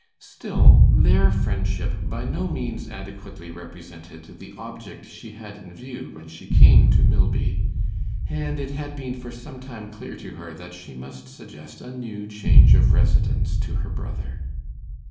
Still their friendship by no means adequately represented the object she had in view when she came to Milby, and it had been for some time clear to her that she must suggest a new change of residence to her brother.